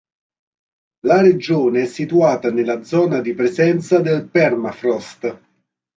La regione è situata nella zona di presenza del "permafrost".